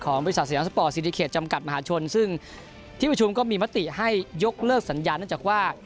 บริษัทสยามสปอร์ตซิริเขตจำกัดมหาชนซึ่งที่ประชุมก็มีมติให้ยกเลิกสัญญาเนื่องจากว่า